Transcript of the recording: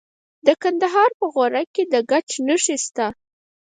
د کندهار په غورک کې د ګچ نښې شته.